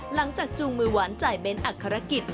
หลังจากจูงมือหวานจ่ายเบ้นอักษรกิจ